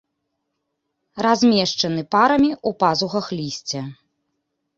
Размешчаны парамі ў пазухах лісця.